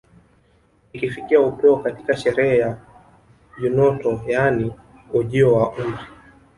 Ikifikia upeo katika sherehe ya eunoto yaani ujio wa umri